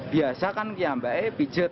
biasa kan kiamba eh pijat